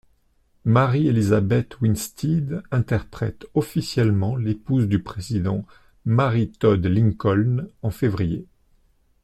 Mary Elizabeth Winstead interprète officiellement l'épouse du président Mary Todd Lincoln, en février.